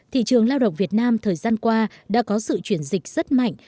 thị trường lao động việt nam thời gian qua đã có sự chuyển dịch rất mạnh